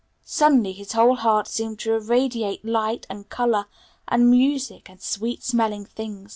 Suddenly his whole heart seemed to irradiate light and color and music and sweet smelling things.